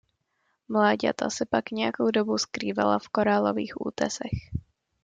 Mláďata se pak nějakou dobu skrývala v korálových útesech.